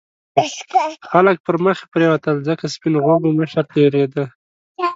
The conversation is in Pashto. خلک پرمخې پرېوتل ځکه سپین غوږو مشر تېرېده.